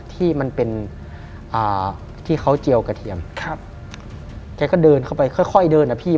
ที่มันเป็นอ่าที่เขาเจียวกระเทียมครับแกก็เดินเข้าไปค่อยค่อยเดินนะพี่